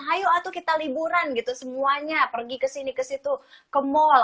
hayo atuh kita liburan gitu semuanya pergi kesini kesitu ke mall